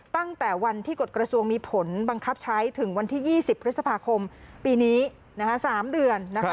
ตั้งแต่วันที่กฎกระทรวงมีผลบังคับใช้ถึงวันที่๒๐พฤษภาคมปีนี้๓เดือน